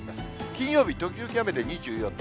金曜日、時々雨で２４度。